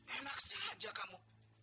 enak saja kamu